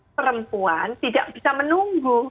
perempuan tidak bisa menunggu